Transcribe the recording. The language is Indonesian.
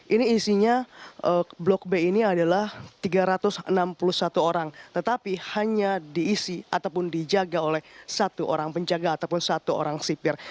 ini isinya blok b ini adalah tiga ratus enam puluh satu orang tetapi hanya diisi ataupun dijaga oleh satu orang penjaga ataupun satu orang sipir